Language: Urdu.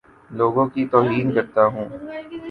لوگوں کی توہین کرتا ہوں